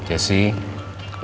udah tau wajahnya seperti apa